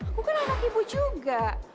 aku kan anak ibu juga